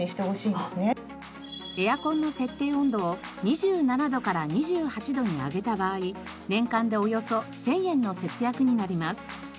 エアコンの設定温度を２７度から２８度に上げた場合年間でおよそ１０００円の節約になります。